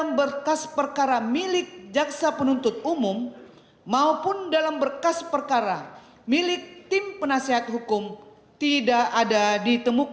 maka seharusnya berita acara pemindahan barang bukti tersebut juga ada di dalam berkes perkara milik tim penasihat hukum dan jaksa penuntut umum